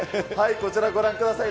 こちらご覧ください。